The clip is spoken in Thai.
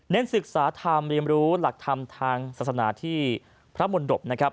เน้นศึกษาธรรมเรียมรู้หลักธรรมทางศาสนาที่พระมนต์ดบ